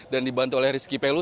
dan dibantu oleh rizky pelu